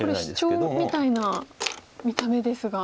でもこれシチョウみたいな見た目ですが。